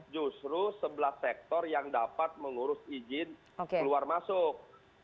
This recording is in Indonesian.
justru sebelah sektor yang dapat mengurus izin keluar masuk